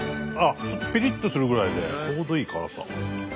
ちょっとピリッとするぐらいでちょうどいい辛さ。